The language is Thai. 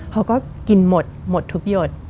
เขาก็กินหมดหมดทุกหยด